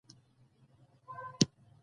خپرېدو او دخلکو ته زيان پکې رسېدل